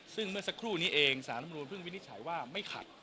ซึ่งเมื่อสักครู่นี้เองสารรัฐมนุนเพิ่งวินิจฉัยว่าไม่ขัด